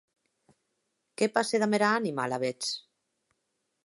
Qué passe damb era anima, alavetz?